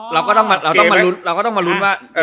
เราก็ต้องมาเราก็ต้องมาลุ้นเราก็ต้องมาลุ้นว่าเออ